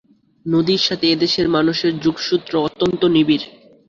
নদীর সাথে এই দেশের মানুষের যোগসূত্র অত্যন্ত নিবিড়।